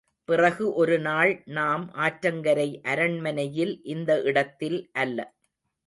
பிறகு ஒருநாள் நாம் ஆற்றங்கரை அரண்மனையில் இந்த இடத்தில் அல்ல.